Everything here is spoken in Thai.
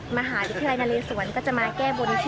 บนไว้ว่าถ้าเกิดสอบติดมหาวิทยาลัยนาเรสวนก็จะมาแก้บนที่